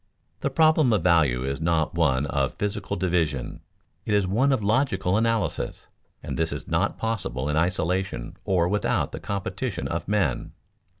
_ The problem of value is not one of physical division; it is one of logical analysis, and this is not possible in isolation or without the competition of men.